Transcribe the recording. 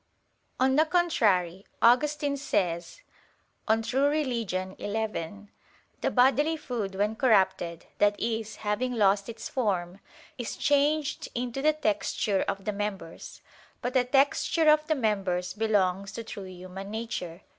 On the contrary, Augustine says (De Vera Relig. xi): "The bodily food when corrupted, that is, having lost its form, is changed into the texture of the members." But the texture of the members belongs to true human nature.